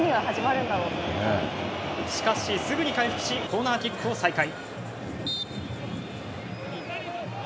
しかし、すぐに回復しコーナーキックを再開。